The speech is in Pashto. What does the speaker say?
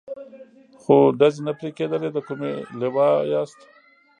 خو ډزې نه پرې کېدلې، د کومې لوا یاست؟